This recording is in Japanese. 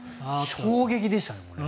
衝撃でしたね、これ。